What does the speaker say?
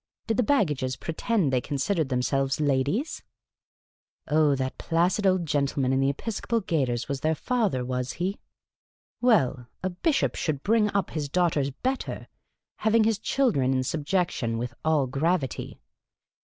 Did the baggages pretend they considered themselves ladies ? Oh, that placid old gentleman in the episcopal gaiters was The Cantankerous Old Lady 23 their father, was he ? Well, a bishop should bring up his daughters better, having his children in subjection with all gravity.